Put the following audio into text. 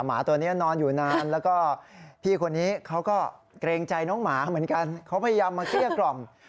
หมาตัวนี้นอนอยู่นานแล้วก็พี่คนนี้เขาก็เกรงใจน้องหมาเหมือนกันเขาพยายามมาเกลี้ยกล่อม